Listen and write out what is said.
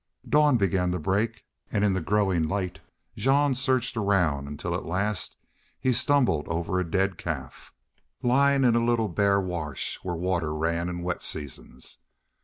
Dawn began to break, and in the growing light Jean searched around until at last he stumbled over a dead calf, lying in a little bare wash where water ran in wet seasons.